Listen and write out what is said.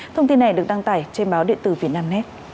thông tin này được đăng tải trên báo điện tử việt nam